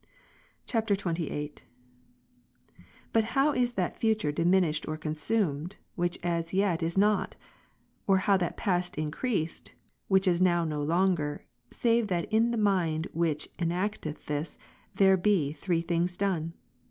[XXVIII.] 37. But how is that future diminished or consumed, which as yet is not? or how that past increased, which is now no longer, save that in the mind which enacteth this, there be three things done